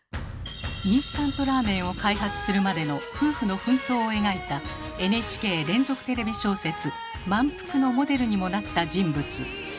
インスタントラーメンを開発するまでの夫婦の奮闘を描いたＮＨＫ連続テレビ小説「まんぷく」のモデルにもなった人物。